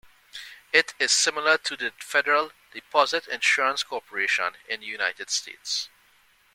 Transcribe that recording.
It is similar to the Federal Deposit Insurance Corporation in the United States.